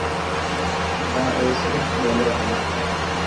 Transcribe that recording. نه اي صرف ٻولي تا.